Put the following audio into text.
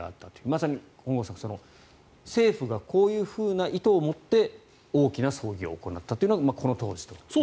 まさに本郷さん政府がこういう意図を持って大きな葬儀を行ったというのがこの当時と。